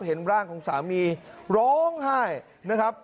เห็นร่างของสามีร้องไห้นะครับ